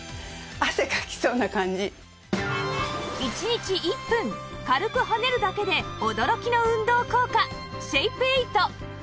１日１分軽く跳ねるだけで驚きの運動効果シェイプエイト